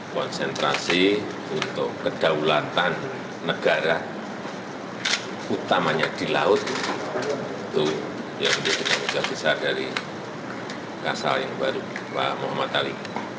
pertama di laut itu yang menjadi pembukaan besar dari kasal yang baru kepala muhammad ali